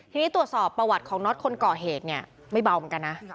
ทีนี้ตรวจสอบประวัติของน็อตคนก่อเหตุเนี่ยไม่เบาเหมือนกันนะ